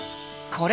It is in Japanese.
これ。